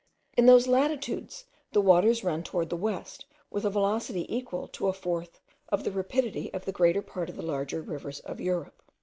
In those latitudes the waters run towards the west with a velocity equal to a fourth of the rapidity of the greater part of the larger rivers of Europe.